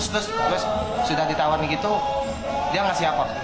nah terus terus sudah ditawarin gitu dia ngasih apa